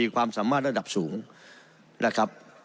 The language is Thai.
ความสามารถระดับสูงนะครับ